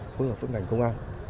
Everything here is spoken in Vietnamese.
khối hợp với ngành công an